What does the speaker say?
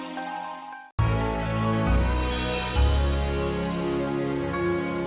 sampai jumpa lagi